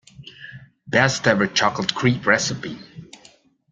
Best ever chocolate crepe recipe.